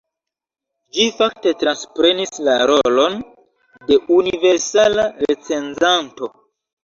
Ĝi fakte transprenis la rolon de universala recenzanto.